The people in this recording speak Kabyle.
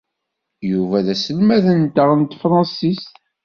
Yuba d aselmad-nteɣ n tefṛensist.